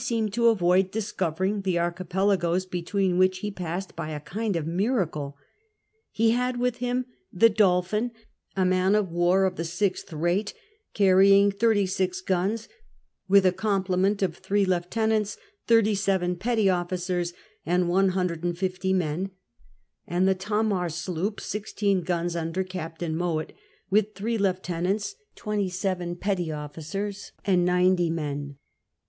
d to avoid discovering the archipelagoes between which he passed by a kind of miracle. He had with him the Dolphin^ a man of war of the sixth rate, carrying thirty six guns, with a complement of three lieutenants, thirty seven petty officers, and one hundred and fifty men, and the Tamar sloop, sixteen guns, under Captain Mowat, with three lieutenants, twenty seven petty officers, and CHAP. V COMMODORE BYRON 57 ninety men.